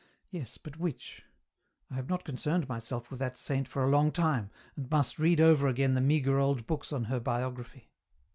Yes, but which ? I have not concerned myself with that saint for a long time, and must read over again the meagre old books on her biography.